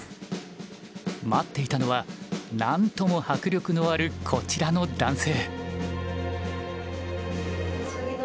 待っていたのは何とも迫力のあるこちらの男性。